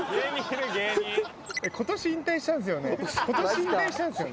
今年引退したんですよね？